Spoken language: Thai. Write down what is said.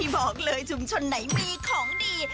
บอกเลยชุมชนไหนมีของดี